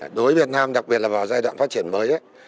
đối với việt nam đặc biệt là vào giai đoạn phát triển mới đấy